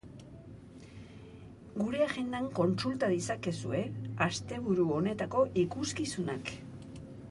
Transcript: Gure agendan kontsulta ditzakezue asteburu honetako ikuskizunak.